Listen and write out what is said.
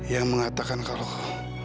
yang mengatakan kalau